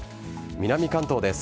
南関東です。